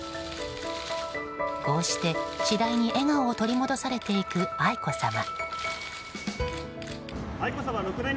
こうして、次第に笑顔を取り戻されていく愛子さま。